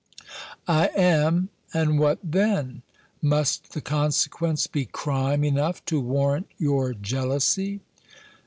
"I am, and what then? Must the consequence be crime enough to warrant your jealousy?"